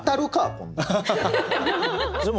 こんなん。